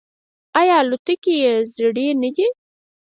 آیا الوتکې یې زړې نه دي؟